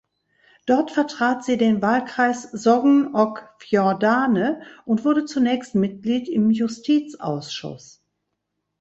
Dort vertrat sie den Wahlkreis Sogn og Fjordane und wurde zunächst Mitglied im Justizausschuss.